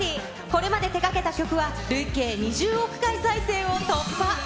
これまで手がけた曲は、累計２０億回再生を突破。